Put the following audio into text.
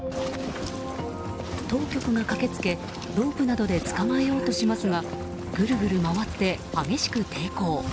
当局が駆けつけ、ロープなどで捕まえようとしますがぐるぐる回って、激しく抵抗。